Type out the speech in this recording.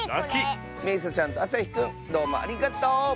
めいさちゃんとあさひくんどうもありがとう！